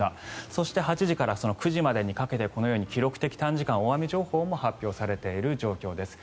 そして８時から９時までにかけてこのように記録的短時間大雨情報も発表されている状況です。